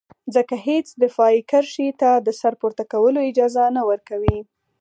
ځکه هېڅ دفاعي کرښې ته د سر پورته کولو اجازه نه ورکوي.